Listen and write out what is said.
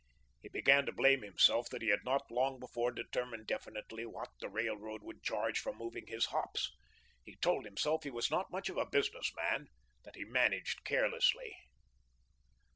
He began to blame himself that he had not long before determined definitely what the railroad would charge for moving his hops. He told himself he was not much of a business man; that he managed carelessly.